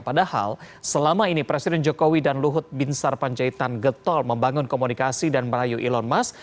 padahal selama ini presiden jokowi dan luhut bin sarpanjaitan getol membangun komunikasi dan merayu elon musk